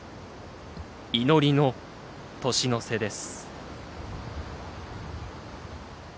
祈りの年の瀬です。